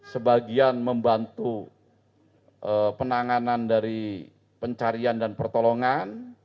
sebagian membantu penanganan dari pencarian dan pertolongan